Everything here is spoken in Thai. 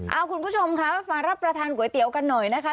เอาคุณผู้ชมค่ะมารับประทานก๋วยเตี๋ยวกันหน่อยนะคะ